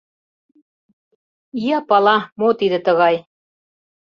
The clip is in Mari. — Ия пала, мо тиде тыгай.